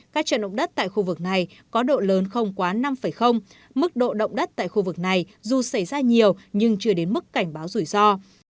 các trận động đất tại khu vực này có độ lớn không quá năm mức độ động đất tại khu vực này dù xảy ra nhiều nhưng chưa đến mức cảnh báo rủi ro